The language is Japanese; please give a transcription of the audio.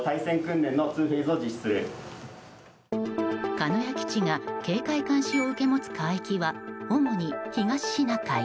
鹿屋基地が警戒監視を受け持つ海域は、主に東シナ海。